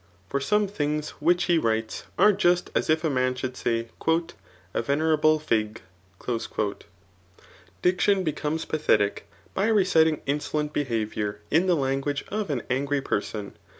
For some things which he writes, are just as if a man should say, '^ A venerable . Dictbn becomes pathetic, by reciting insolent beh^ viour in the language of an angry person.